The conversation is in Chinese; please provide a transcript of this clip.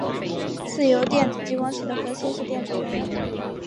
自由电子激光器的核心是电子源。